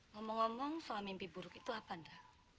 ngomong ngomong soal mimpi buruk itu apa enggak